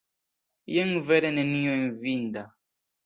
Jen vere nenio enviinda!